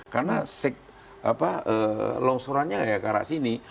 karena longsorannya ya ke arah sini